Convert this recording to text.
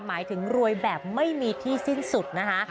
หมายถึงรวยแบบไม่มีที่สิ้นสุดนะคะ